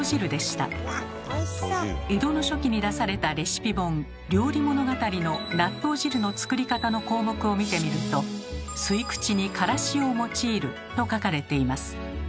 江戸の初期に出されたレシピ本「料理物語」の納豆汁の作り方の項目を見てみると「吸口にからしを用いる」と書かれています。